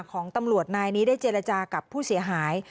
ของตำรวจนายนี้ได้เจรจากับผู้เสียหาย